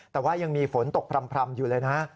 แต่ว่ายังมีฝนตกพร่ำอยู่เลยนะ